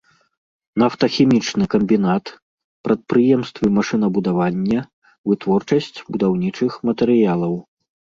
Нафтахімічны камбінат, прадпрыемствы машынабудавання, вытворчасць будаўнічых матэрыялаў.